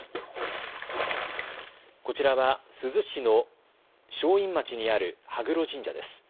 こちらは珠洲市の正院町にある羽黒神社です。